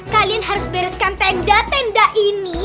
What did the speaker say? kalian harus bereskan tenda tenda ini